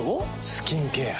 スキンケア。